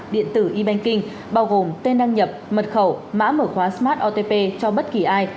điện tử e banking bao gồm tên đăng nhập mật khẩu mã mở khóa smart otp cho bất kỳ ai